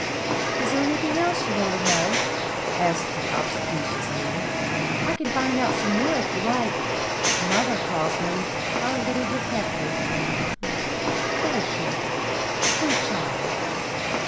"Is there anything else you want to know?" asked the obsequious Minna. "I can find out some more if you like. Mother calls me her little detective." "Does she? Sweet child!